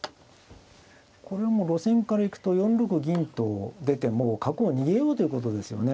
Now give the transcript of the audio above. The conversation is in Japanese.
これも路線からいくと４六銀と出てもう角を逃げようということですよね。